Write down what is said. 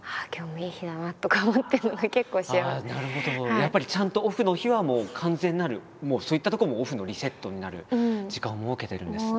やっぱりちゃんとオフの日はもう完全なるそういったとこもオフのリセットになる時間を設けてるんですね。